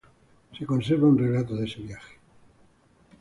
Se conserva un relato de ese viaje.